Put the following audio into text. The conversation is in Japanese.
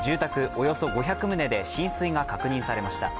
およそ５００棟で浸水が確認されました。